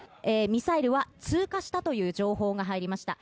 ミサイルは通過したという情報が入りました。